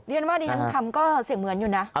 เดี๋ยวนามาติดีกว่าเป็นเขาทำเสียงเหมือนอยู่นะ